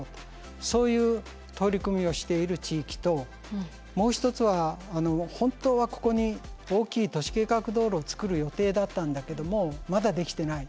そういう取り組みをしている地域ともう一つは本当はここに大きい都市計画道路をつくる予定だったんだけどもまだ出来てない。